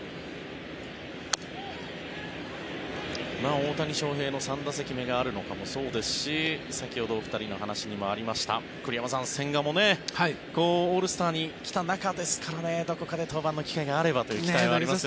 大谷翔平の３打席目があるのかもそうですし先ほど、お二人のお話にもありました栗山さん、千賀もオールスターに来た中ですからどこかで登板の機会があればという期待はありますよね。